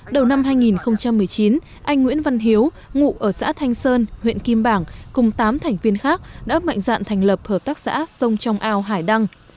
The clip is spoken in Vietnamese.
đầu năm hai nghìn một mươi chín anh nguyễn văn hiếu ngụ ở xã thanh sơn huyện kim bảng cùng tám thành viên khác đã mạnh dạn thành lập hợp tác xã sông trong ao hải đăng